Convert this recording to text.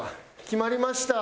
決まりました。